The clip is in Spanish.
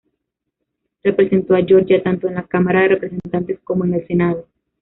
Representó a Georgia tanto en la Cámara de Representantes como en el Senado.